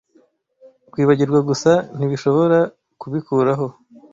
Kwibagirwa gusa ntibishobora kubikuraho